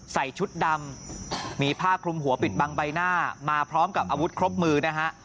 ใส่ชุดดำมีผ้าคลุมหัวปิดบังใบหน้ามาพร้อมกับอาวุธครบมือนะฮะ